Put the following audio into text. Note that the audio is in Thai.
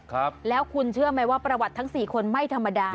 ครับแล้วคุณเชื่อไหมว่าประวัติทั้งสี่คนไม่ธรรมดา